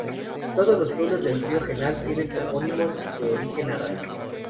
Todos los pueblos del río Genal tienen topónimos de origen árabe.